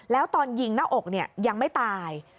แล้วตอนยิงหน้าอกยังไม่ตาย